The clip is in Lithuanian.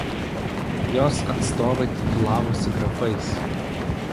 Jos atstovai titulavosi grafais.